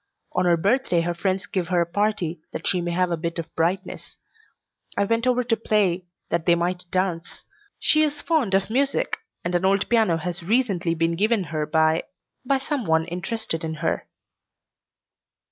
On her birthday her friends give her a party that she may have a bit of brightness. I went over to play that they might dance. She is fond of music and an old piano has recently been given her by by some one interested in her."